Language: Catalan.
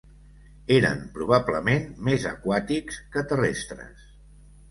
Eren probablement més aquàtics que terrestres.